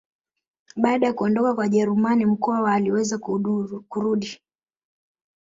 Baada ya kuondoka kwa Wajerumani Mkwawa aliweza kurudi